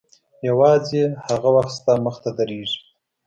یوازې هغه وخت ستا مخته درېږي.